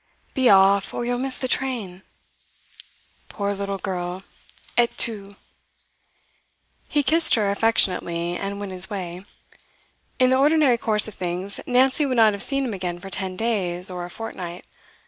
'Be off, or you'll miss the train.' 'Poor little girl! Et tu!' He kissed her affectionately, and went his way. In the ordinary course of things Nancy would not have seen him again for ten days or a fortnight.